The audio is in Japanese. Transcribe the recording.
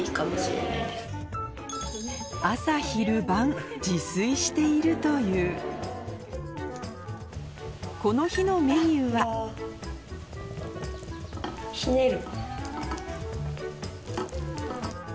朝昼晩自炊しているというこの日のメニューはひねる。